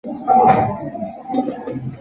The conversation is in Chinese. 平单蛛为平腹蛛科单蛛属的动物。